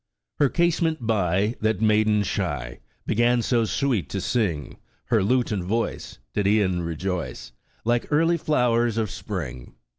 Her casement bv. That maiden shy, Began so sweet to sing: Her lute and voice Did e'en rejoice. Like early flowers of spring.